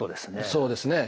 そうですね。